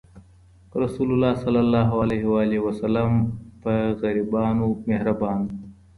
رسول الله ص په غریبانو مهربان و.